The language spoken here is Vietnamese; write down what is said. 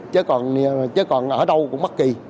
chứ còn ở đâu cũng bất kỳ